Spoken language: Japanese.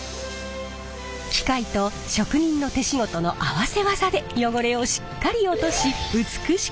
機械と職人の手仕事の合わせ技で汚れをしっかり落とし美しく仕上げます。